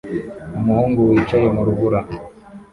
Umuhungu wicaye mu rubura